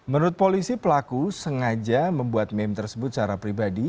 menurut polisi pelaku sengaja membuat meme tersebut secara pribadi